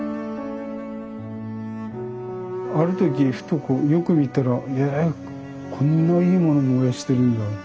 ある時ふとよく見たらえこんないいもの燃やしてるんだって。